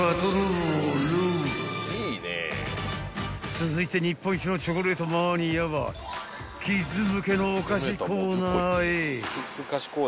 ［続いて日本一のチョコレートマニアはキッズ向けのお菓子コーナーへ］